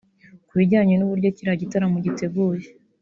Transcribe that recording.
Ku bijyanye n’uburyo kiriya gitaramo giteguye